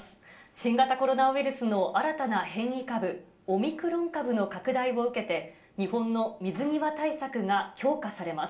新型コロナウイルスの新たな変異株、オミクロン株の拡大を受けて、日本の水際対策が強化されます。